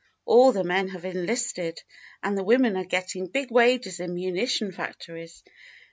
All the men have enlisted, and the women are getting big wages in munition factories.